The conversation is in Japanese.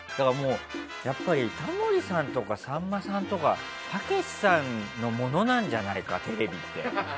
やっぱりタモリさんとかさんまさんとかたけしさんのものなんじゃないかテレビって。